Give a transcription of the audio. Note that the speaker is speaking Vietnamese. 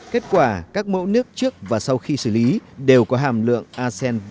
kết quả các mẫu nước trước và sau khi xử lý đều có hàm lượng a sen